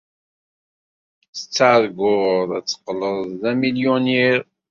Tettarguḍ ad teqqleḍ d amilyuniṛ.